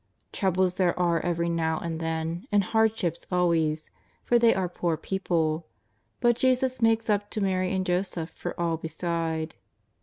Troubles there are every now and then, and hardships always, for they are poor people. But Jesus makes up to Mary and Joseph for all beside.